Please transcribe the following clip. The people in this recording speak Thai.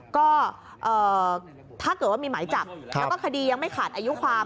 ก็ถ้าเกิดว่ามีหมายจับแล้วก็คดียังไม่ขาดอายุความ